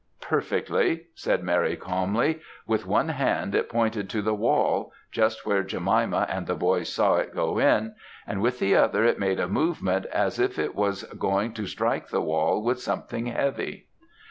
"'Perfectly,' said Mary, calmly. 'With one hand it pointed to the wall just where Jemima and the boys saw it go in and with the other it made a movement, as if it was going to strike the wall with something heavy.'